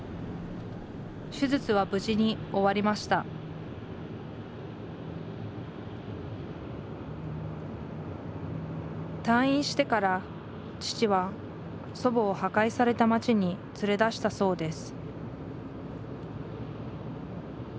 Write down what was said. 手術は無事に終わりました退院してから父は祖母を破壊された街に連れ出したそうです